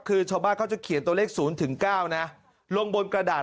คือชาวบ้านเขาจะเขียนตัวเลข๐๙นะลงบนกระดาษ